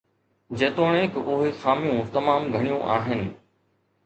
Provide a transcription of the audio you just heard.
جيتوڻيڪ اهي خاميون تمام گهڻيون آهن